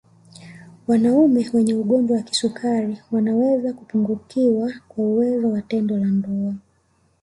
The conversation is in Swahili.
Wanaume wenye ugonjwa wa kisukari wanaweza kupungukiwa kwa uwezo wa tendo la ndoa